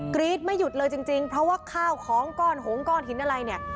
รี๊ดไม่หยุดเลยจริงเพราะว่าข้าวของก้อนหงก้อนหินอะไรเนี่ย